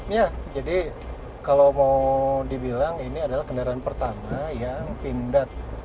ya jadi kalau mau dibilang ini adalah kendaraan pertama yang pindad